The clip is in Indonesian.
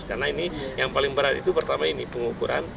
karena ini yang paling berat itu pertama ini pengukuran